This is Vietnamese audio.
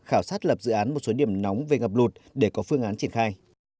khảo sát lập dự án một số điểm nóng về ngập lụt để có phương án triển khai